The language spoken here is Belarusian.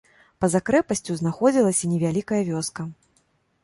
Па-за крэпасцю знаходзілася невялікая вёска.